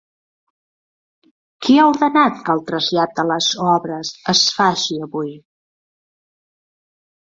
Qui ha ordenat que el trasllat de les obres es faci avui?